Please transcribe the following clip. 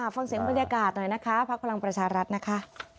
ฟังเสียงบรรยากาศหน่อยนะคะพักพลังประชารัฐนะคะ